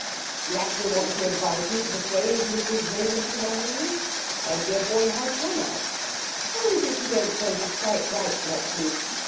'You actually want me to advise you to persuade Mrs Raymond to marry you? My dear boy, how can I?' 'How is it you don't say she's quite right not to?'